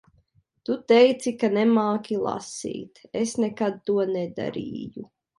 Tu teici ka nemāki lasīt. Es nekad to nedarīju.